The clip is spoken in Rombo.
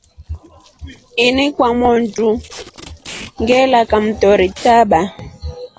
Ini kwa motru ngela kamtori taba.